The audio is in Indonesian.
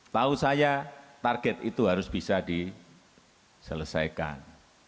tahu saya target itu harus bisa diselesaikan